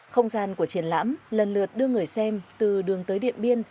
không gian của triển lãm lần lượt đưa người xem từ đường tới điện biên